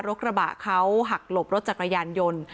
กระบะเขาหักหลบรถจักรยานยนต์